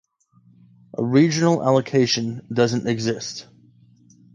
A regional allocation doesn't exist.